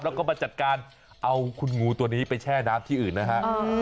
แล้วก็มาจัดการเอาคุณงูตัวนี้ไปแช่น้ำที่อื่นนะฮะ